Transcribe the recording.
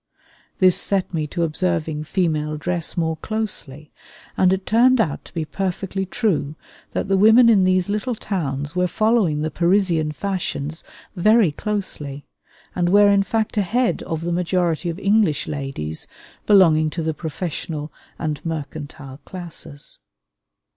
This set me to observing female dress more closely; and it turned out to be perfectly true that the women in these little towns were following the Parisian fashions very closely, and were in fact ahead of the majority of English ladies belonging to the professional and mercantile classes.